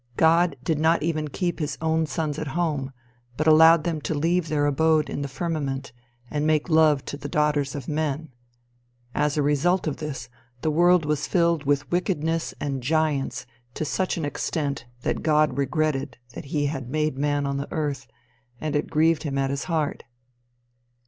God did not even keep his own sons at home, but allowed them to leave their abode in the firmament, and make love to the daughters of men. As a result of this, the world was filled with wickedness and giants to such an extent that God regretted "that he had made man on the earth, and it grieved him at his heart."